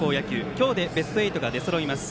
今日でベスト８が出そろいます。